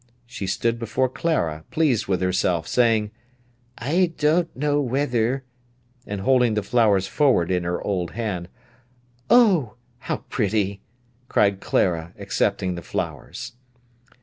She stood before Clara, pleased with herself, saying: "I don't know whether—" and holding the flowers forward in her old hand. "Oh, how pretty!" cried Clara, accepting the flowers.